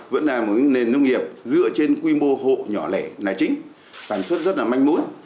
vẫn là một nền nông nghiệp dựa trên quy mô hộ nhỏ lẻ là chính sản xuất rất là manh mối